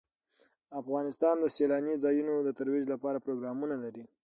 افغانستان د سیلاني ځایونو د ترویج لپاره پروګرامونه لري.